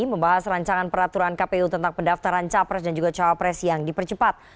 membahas rancangan peraturan kpu tentang pendaftaran capres dan juga cawapres yang dipercepat